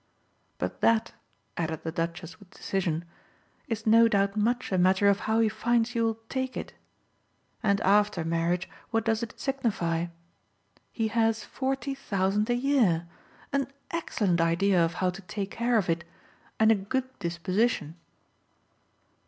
but that," added the Duchess with decision, "is no doubt much a matter of how he finds you'll take it. And after marriage what does it signify? He has forty thousand a year, an excellent idea of how to take care of it and a good disposition."